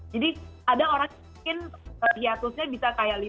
jadi ada orang yang mungkin hiatusnya bisa kayak